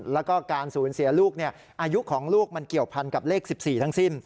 แล้วก็การสูญเสียลูกอายุของลูกมันเกี่ยวพันกับเลข๑๔ทั้งสิ้น